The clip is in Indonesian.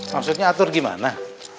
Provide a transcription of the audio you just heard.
maksudnya atur gimana